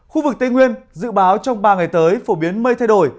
khu vực tây nguyên dự báo trong ba ngày tới phổ biến mây thay đổi